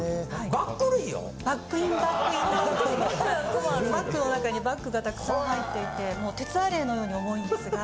バッグインバッグインバッグバッグの中にバッグがたくさん入っていてもう鉄アレイのように重いんですが。